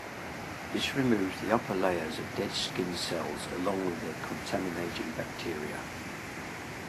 This removes the upper layers of dead skin cells along with their contaminating bacteria.